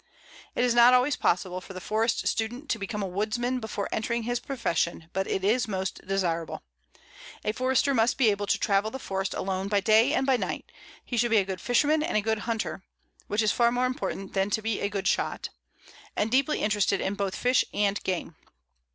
It is not always possible for the forest student to become a woodsman before entering his profession, but it is most desirable. A Forester must be able to travel the forest alone by day and by night, he should be a good fisherman and a good hunter (which is far more important than to be a good shot), and deeply interested in both fish and game.